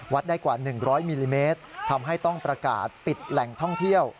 ได้กว่า๑๐๐มิลลิเมตรทำให้ต้องประกาศปิดแหล่งท่องเที่ยว